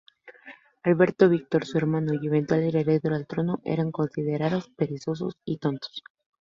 Alberto Víctor, su hermano y eventual heredero al trono, era considerado perezoso y tonto.